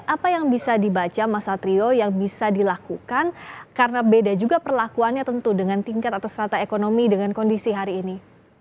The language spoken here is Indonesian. apa yang bisa dibaca mas satrio yang bisa dilakukan karena beda juga perlakuannya tentu dengan tingkat atau serata ekonomi dengan kondisi hari ini